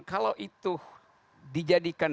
kalau itu dijadikan